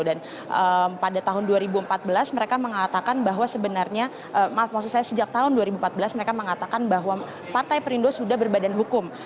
dan pada tahun dua ribu empat belas mereka mengatakan bahwa sebenarnya maaf maksud saya sejak tahun dua ribu empat belas mereka mengatakan bahwa partai perindo sudah berbadan hukum